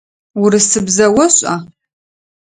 Урысыбзэ ошӏа?